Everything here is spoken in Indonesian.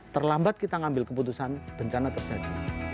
terlambat kita ngambil keputusan bencana terjadi